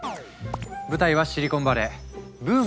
舞台はシリコンバレー。